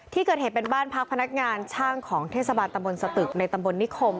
ที่เกิดเหตุเป็นบ้านพักพนักงานช่างของเทศบาลตำบลสตึกในตำบลนิคม